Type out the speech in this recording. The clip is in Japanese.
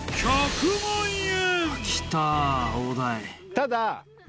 ただ。